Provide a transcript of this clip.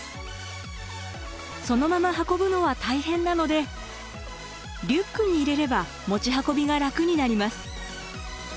そのまま運ぶのは大変なのでリュックに入れれば持ち運びが楽になります。